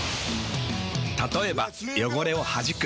たとえば汚れをはじく。